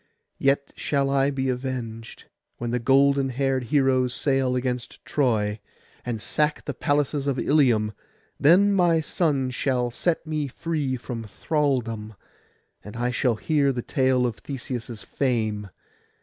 Yet shall I be avenged, when the golden haired heroes sail against Troy, and sack the palaces of Ilium; then my son shall set me free from thraldom, and I shall hear the tale of Theseus' fame.